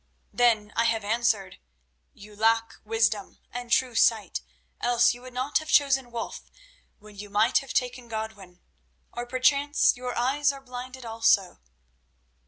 Then I have answered, 'You lack wisdom and true sight, else you would not have chosen Wulf when you might have taken Godwin. Or perchance your eyes are blinded also.